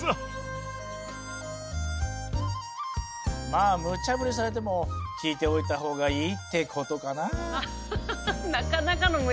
まあ無茶振りされても聞いておいた方がいいってことかな。